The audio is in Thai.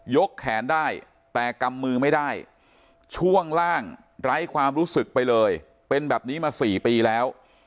กแขนได้แต่กำมือไม่ได้ช่วงล่างไร้ความรู้สึกไปเลยเป็นแบบนี้มา๔ปีแล้ว